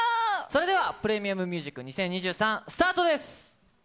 それでは、ＰｒｅｍｉｕｍＭｕｓｉｃ２０２３、スタートです！